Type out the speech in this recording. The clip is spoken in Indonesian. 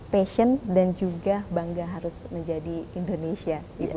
passion dan juga bangga harus menjadi indonesia